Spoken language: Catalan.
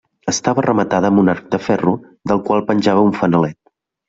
Estava rematada amb un arc de ferro del qual penjava un fanalet.